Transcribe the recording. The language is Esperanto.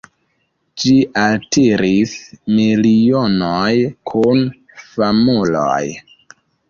Ĝi altiris milionojn kun famuloj.